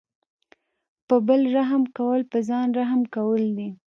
په بل رحم کول په ځان رحم کول دي.